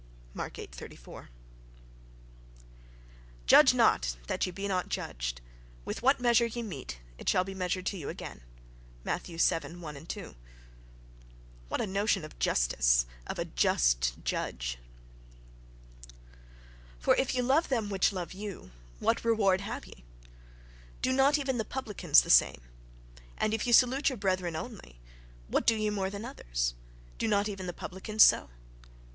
Mark viii, 34.— "Judge not, that ye be not judged. With what measure ye mete, it shall be measured to you again." (Matthew vii, 1.)—What a notion of justice, of a "just" judge!... Nietzsche also quotes part of verse 2. "For if ye love them which love you, what reward have ye? do not even the publicans the same? And if ye salute your brethren only, what do ye more than others? do not even the publicans so?"